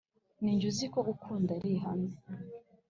Ninjye uziko kugukunda ari ihame